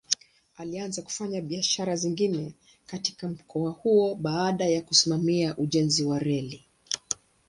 Alianza kufanya biashara zingine katika mkoa huo baada ya kusimamia ujenzi wa reli.